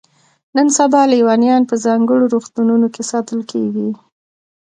نن سبا لیونیان په ځانګړو روغتونونو کې ساتل کیږي.